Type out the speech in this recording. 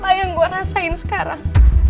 bayang gua rasain sekarang